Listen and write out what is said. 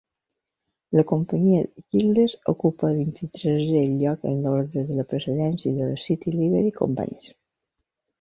La Companyia de Girdlers ocupa el vint-i-tresè lloc en l'ordre de precedència de City Livery Companies.